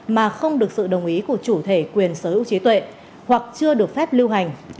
mà không được sự đồng ý của chủ thể quyền sở hữu trí tuệ hoặc chưa được phép lưu hành